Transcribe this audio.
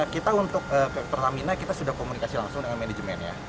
kita untuk pertamina kita sudah komunikasi langsung dengan manajemennya